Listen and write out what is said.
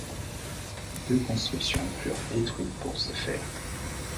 Deux constructions furent détruites pour ce faire.